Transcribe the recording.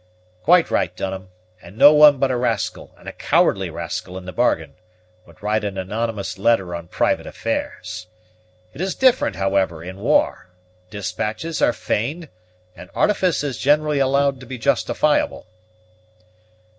"Quite right, Dunham, and no one but a rascal, and a cowardly rascal in the bargain, would write an anonymous letter on private affairs. It is different, however, in war; despatches are feigned, and artifice is generally allowed to be justifiable."